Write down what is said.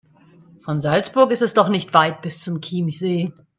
Von Salzburg ist es doch nicht weit bis zum Chiemsee.